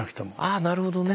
ああなるほどね。